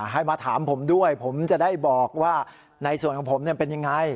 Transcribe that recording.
ให้มาถามผมด้วยผมจะได้บอกว่าในส่วนของผมเป็นยังไง